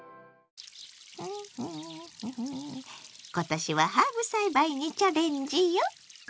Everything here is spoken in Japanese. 今年はハーブ栽培にチャレンジよ！